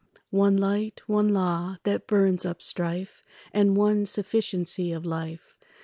One light, one law, that burns up strife, And one sufficiency of life.